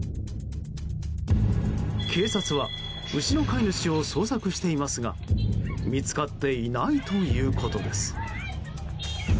警察は、牛の飼い主を捜索していますが見つかっていないということです。